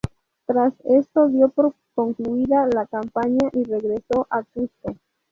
Tras esto dio por concluida la campaña y regresó a Cuzco.